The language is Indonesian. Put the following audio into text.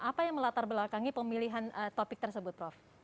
apa yang melatar belakangi pemilihan topik tersebut prof